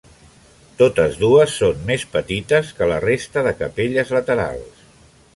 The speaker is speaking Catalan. Totes dues són més petites que la resta de capelles laterals.